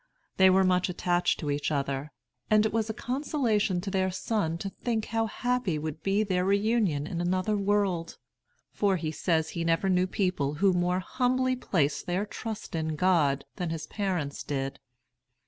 They were much attached to each other, and it was a consolation to their son to think how happy would be their reunion in another world; for he says he never knew people who more humbly placed their trust in God than his parents did.